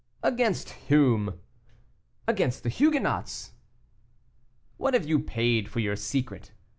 "Against whom?" "Against the Huguenots." "What have you paid for your secret?"